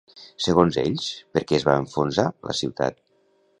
Segons ells, per què es va enfonsar la ciutat?